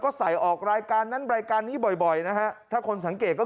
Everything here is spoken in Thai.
ก็ใส่ออกรายการนั้นรายการนี้บ่อยบ่อยนะฮะถ้าคนสังเกตก็คือ